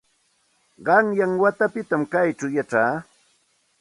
Qanyan watapitam kaćhaw yachaa.